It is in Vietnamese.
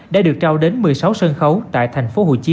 đã được trao đến một mươi sáu sân khấu tại tp hcm